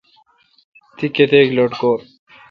تی کتیک لٹکور؟